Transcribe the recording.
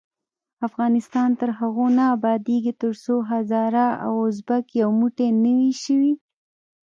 افغانستان تر هغو نه ابادیږي، ترڅو هزاره او ازبک یو موټی نه وي شوي.